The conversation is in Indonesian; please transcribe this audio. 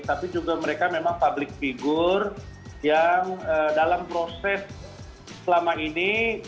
tapi juga mereka memang public figure yang dalam proses selama ini